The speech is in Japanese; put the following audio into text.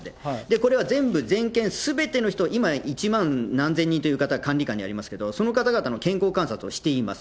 これは全部、全県すべての人、今、一万何千人という方、管理下にありますけど、その方々の健康観察をしています。